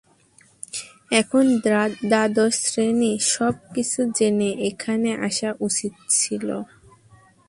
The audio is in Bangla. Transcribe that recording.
এখন দ্বাদশ শ্রেণী সব কিছু জেনে এখানে আসা উচিত ছিল।